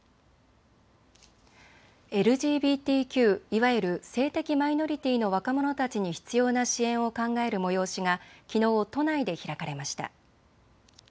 ＬＧＢＴＱ、いわゆる性的マイノリティの若者たちに必要な支援を考える催しがきのう都内で開かれました。